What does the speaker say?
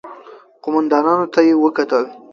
قوماندانانو ته يې وکتل.